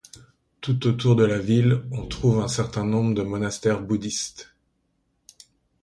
Tout autour de la ville, on trouve un certain nombre de monastères bouddhistes.